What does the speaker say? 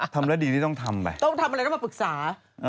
หายไปกี่วันหายไปกี่วันไหนเล่า